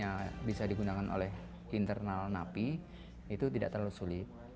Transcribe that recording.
yang bisa digunakan oleh internal napi itu tidak terlalu sulit